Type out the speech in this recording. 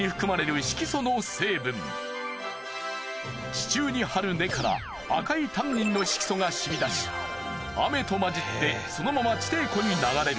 地中に張る根から赤いタンニンの色素が染み出し雨と混じってそのまま地底湖に流れる。